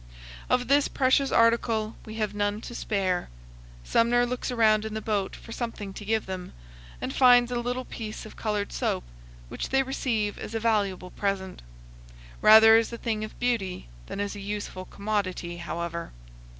Of this precious article we have none to spare. Sumner looks around in the boat for something to give them, and finds a little piece of colored soap, which they receive as a valuable present, rather as a thing of beauty than as a useful commodity, however.